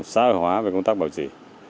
xã hội hóa về công tác bảo trì